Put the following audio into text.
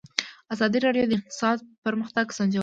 ازادي راډیو د اقتصاد پرمختګ سنجولی.